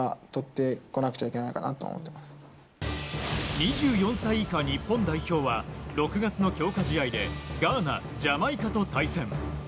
２４歳以下日本代表は６月の強化試合でガーナ、ジャマイカと対戦。